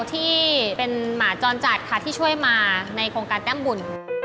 ที่เป็นหมาจรจัดค่ะที่ช่วยมาในโครงการแต้มบุญ